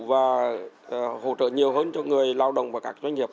và hỗ trợ nhiều hơn cho người lao động và các doanh nghiệp